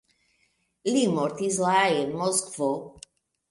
Li mortis la en Moskvo.